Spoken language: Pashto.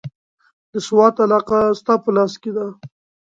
د سوات علاقه ستا په لاس کې ده.